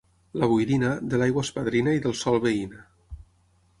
La boirina, de l'aigua és padrina i del sol veïna.